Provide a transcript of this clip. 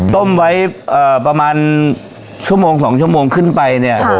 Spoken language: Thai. ต้มไว้เอ่อประมาณชั่วโมงสองชั่วโมงขึ้นไปเนี้ยค่ะ